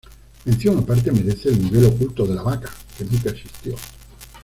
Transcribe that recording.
Mención aparte merece el "nivel oculto de la vaca", que nunca existió.